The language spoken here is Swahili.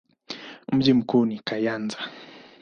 Mji mkuu ni Kayanza.